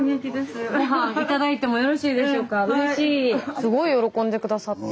すごい喜んで下さって。